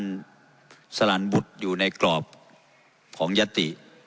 สลานบุฎอยู่ในกรอบของยตริกับสลานบุฎอยู่ในกรอบของยตริ